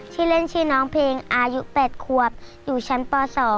ชื่อเล่นชื่อน้องเพลงอายุ๘ควบอยู่ชั้นป๒